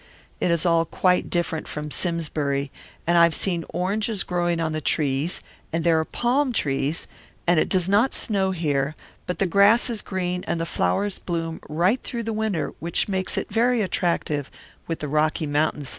It is all quite different from Simsbury, and I have seen oranges growing on the trees, and there are palm trees, and it does not snow here; but the grass is green and the flowers bloom right through the winter, which makes it very attractive with the Rocky Mtns.